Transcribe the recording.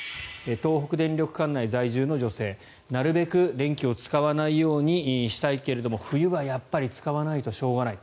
東北電力管内在住の女性なるべく電気を使わないようにしたいけれども冬はやっぱり使わないとしょうがない。